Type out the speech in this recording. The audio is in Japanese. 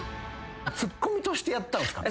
ツッコミとしてやったんすか？